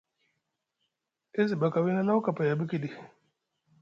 E zi ɓaka wiini Alaw kapay a ɓikiɗi.